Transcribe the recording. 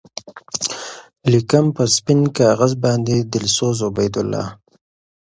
لیکم پر سپین کاغذ باندی دلسوز عبیدالله